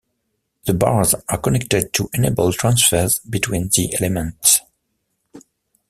The bars are connected to enable transfers between the elements.